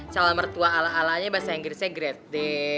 calon mertua ala alanya bahasa inggrisnya grade